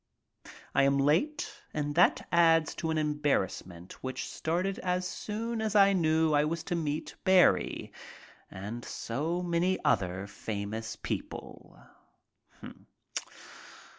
I am late and that adds to an embarrassment which started as soon as I knew I was to meet Barrie and so many other famous people.